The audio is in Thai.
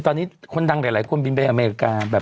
ตอนนี้คนดังหลายคนบินไปอเมริกาแบบ